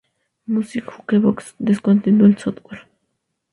Music Jukebox descontinuó el software.